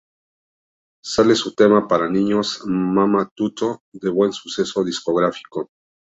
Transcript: Sale su tema para niños "Mamma tutto" de buen suceso discográfico.